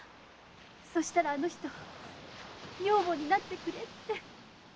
そうしたらあの人女房になってくれって！